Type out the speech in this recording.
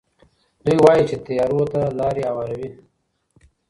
دوی وايي چې تیارو ته لارې هواروي.